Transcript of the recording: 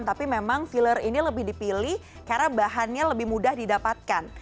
tapi memang filler ini lebih dipilih karena bahannya lebih mudah didapatkan